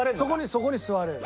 そこに座れる。